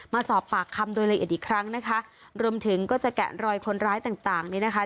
มาสอบปากคำโดยละเอียดอีกครั้งนะคะรวมถึงก็จะแกะรอยคนร้ายต่างต่างนี่นะคะ